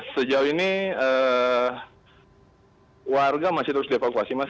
sejauh ini warga masih terus di evakuasi mas